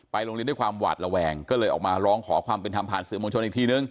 โรงเรียนด้วยความหวาดระแวงก็เลยออกมาร้องขอความเป็นธรรมผ่านสื่อมวลชนอีกทีนึง